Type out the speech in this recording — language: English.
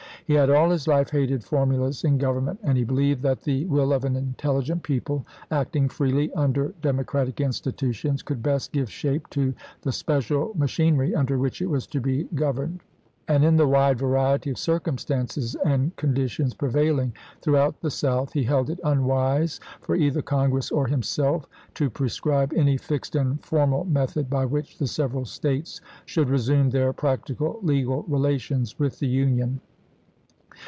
He had all his life hated formulas in government, and he believed that the will of an intelligent people, acting freely under democratic institutions, could best give shape to the special machinery under which it was to be gov erned; and, in the wide variety of circumstances and conditions prevailing throughout the South, he held it unwise for either Congress or himself to prescribe any fixed and formal method by which the several States should resume their practical legal relations with the Union.